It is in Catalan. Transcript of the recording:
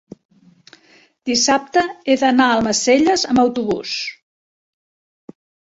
dissabte he d'anar a Almacelles amb autobús.